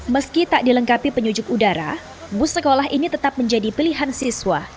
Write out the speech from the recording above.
meski tak dilengkapi penyujuk udara bus sekolah ini tetap menjadi pilihan siswa